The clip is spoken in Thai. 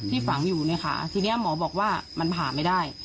ฝังอยู่ในขาทีนี้หมอบอกว่ามันผ่าไม่ได้